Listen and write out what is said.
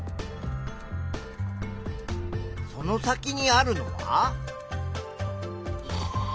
その先にあるのは。